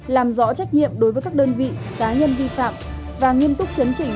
làm rõ trách nhiệm đối với các đơn vị cá nhân vi phạm và nghiêm túc chấn chỉnh